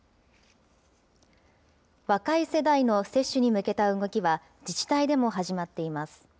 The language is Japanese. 若い世代の接種に向けた動きは、自治体でも始まっています。